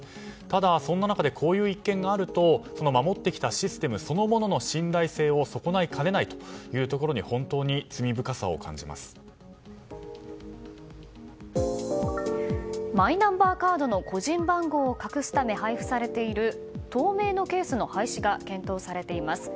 ただ、そんな中でこういう一件があると守ってきたシステムそのものの信頼性を損ないかねないというところにマイナンバーカードの個人番号を隠すため配布されている透明のケースの廃止が検討されています。